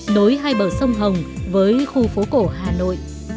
nối hai bờ sông hồng với khu phố cổ hà nội